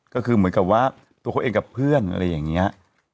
ก็คือเหมือนกับว่าตัวเขาเองกับเพื่อนอะไรอย่างนี้